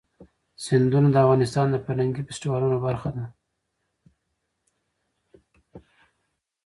سیندونه د افغانستان د فرهنګي فستیوالونو برخه ده.